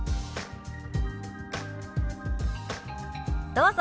どうぞ。